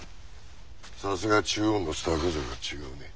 さすが中央のスター崩れは違うね。